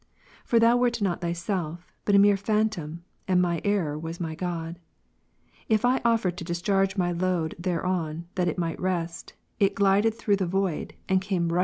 For Thou wert not Tliyself, but a mere phantom", and my error was my God. If I offered to discharge my load thereon, that it might rest, it glided through the void, and came rushing down ' Hor.